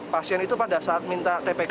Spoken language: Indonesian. pasien itu pada saat minta tpk